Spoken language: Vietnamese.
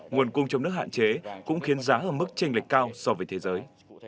nguồn cung trong nước hạn chế cũng khiến giá ở mức tranh lệch cao so với thế giới